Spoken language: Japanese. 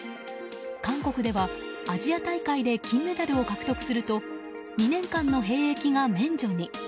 韓国では、アジア大会で金メダルを獲得すると２年間の兵役が免除に。